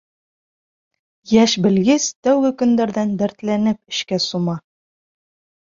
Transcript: Йәш белгес тәүге көндәрҙән дәртләнеп эшкә сума.